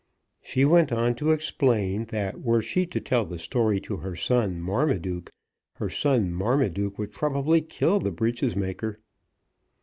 She went on to explain that were she to tell the story to her son Marmaduke, her son Marmaduke would probably kill the breeches maker.